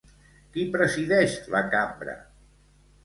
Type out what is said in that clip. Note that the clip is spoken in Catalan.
Qui presideix la cambra?